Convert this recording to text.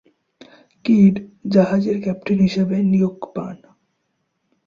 Kid জাহাজের captain হিসেবে নিয়োগ পান।